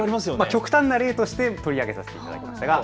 極端な例として取り上げさせていただきました。